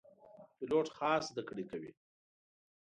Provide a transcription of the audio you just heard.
پیلوټ خاص زده کړې کوي.